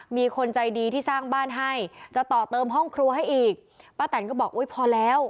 มีคนใจดีที่สร้างบ้านให้จะต่อเติมห้องครัวให้อีกป้าแตนก็บอกอุ้ยพอแล้ว